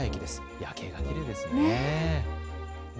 夜景がきれいですね。